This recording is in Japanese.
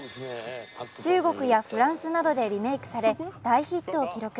中国やフランスなどでリメークされ、大ヒットを記録。